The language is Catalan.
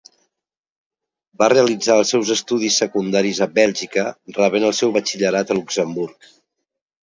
Va realitzar els seus estudis secundaris a Bèlgica, rebent el seu batxillerat a Luxemburg.